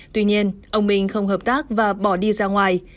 tuy nhiên ông minh không hợp tác và bỏ đi ra ngoài